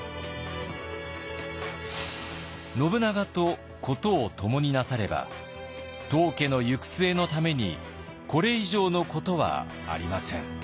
「信長と事をともになされば当家の行く末のためにこれ以上のことはありません」。